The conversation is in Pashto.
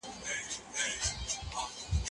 کامل يوازې خدای دی.